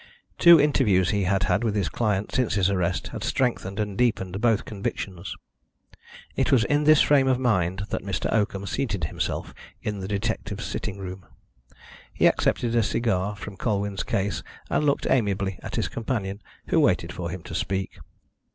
Two interviews he had had with his client since his arrest had strengthened and deepened both convictions. It was in this frame of mind that Mr. Oakham seated himself in the detective's sitting room. He accepted a cigar from Colwyn's case, and looked amiably at his companion, who waited for him to speak.